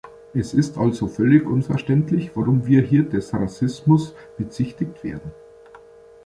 Es ist also völlig unverständlich, warum wir hier des Rassismus bezichtigt werden!